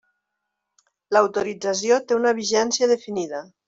L'autorització té una vigència definida.